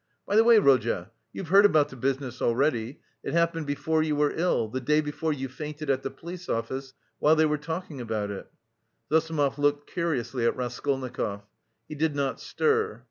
By the way, Rodya, you've heard about the business already; it happened before you were ill, the day before you fainted at the police office while they were talking about it." Zossimov looked curiously at Raskolnikov. He did not stir.